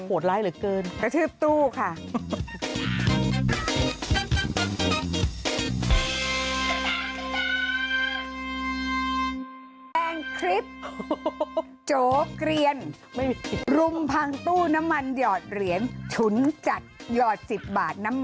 ร้ายเหลือเกินกระทืบตู้ค่ะ